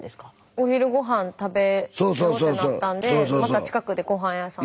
お昼ごはん食べようってなったんでまた近くでごはん屋さん。